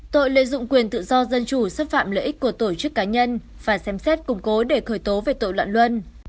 tội lợi dụng quyền tự do dân chủ xâm phạm lợi ích của tổ chức cá nhân phải xem xét củng cố để khởi tố về tội loạn luân